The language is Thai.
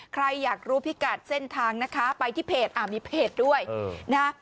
ใครอยากรู้พิกัดเส้นทางนะคะไปที่เพจอ่ามีเพจด้วยนะ